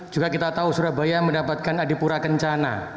juga kita tahu surabaya mendapatkan adipura kencana